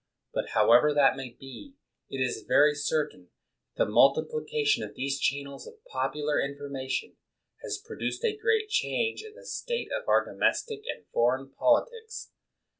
But however that may be, it is very certain that the multiplication of these channels of popular in formation has produced a great change in the state of our domestic and foreign politics.